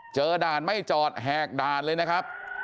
ด่านไม่จอดแหกด่านเลยนะครับ